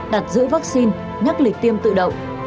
đặt giữ vaccine nhắc lịch tiêm tự động